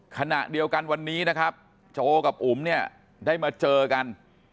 ขณะเดียวกันวันนี้นะครับโจกับอุ๋มเนี่ยได้มาเจอกัน